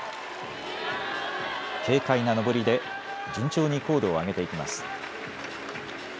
軽快な登りで順調に高度を上げていきます。